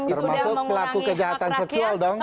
termasuk pelaku kejahatan seksual dong